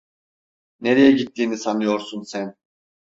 Nereye gittiğini sanıyorsun sen?